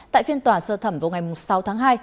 tại phiên tòa sơ thẩm vào ngày sáu tháng hai